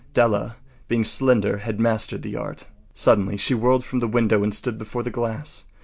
Della, being slender, had mastered the art. Suddenly she whirled from the window and stood before the glass.